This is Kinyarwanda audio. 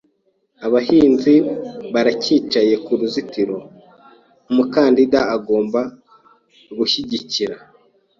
Abahinzi baracyicaye kuruzitiro umukandida agomba gushyigikira.